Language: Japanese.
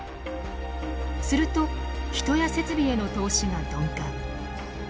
すると人や設備への投資が鈍化。